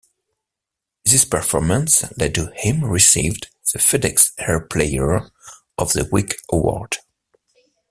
This performance led to him receiving the FedEx Air Player of the Week award.